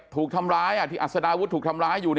ถูกทำร้ายที่อัศดาวุฒิถูกทำร้ายอยู่